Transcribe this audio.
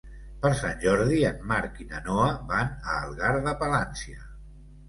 Per Sant Jordi en Marc i na Noa van a Algar de Palància.